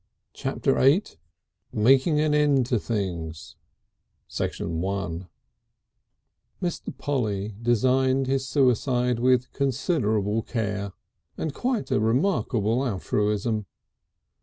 Chapter the Eighth Making an End to Things I Mr. Polly designed his suicide with considerable care, and a quite remarkable altruism.